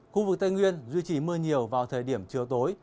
khu vực tây nguyên duy trì mưa nhiều vào thời điểm chiều tối